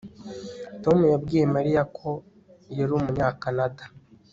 Tom yabwiye Mariya ko yari Umunyakanada